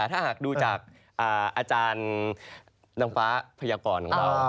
ถ้าหากดูจากอาจารย์นางฟ้าพยากรของเรา